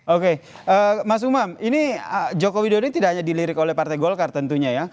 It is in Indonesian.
oke mas umam ini joko widodo ini tidak hanya dilirik oleh partai golkar tentunya ya